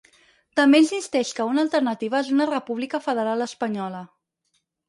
També insisteix que una alternativa és una república federal espanyola.